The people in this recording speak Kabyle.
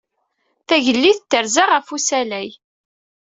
Tagellidt terza ɣef usalay.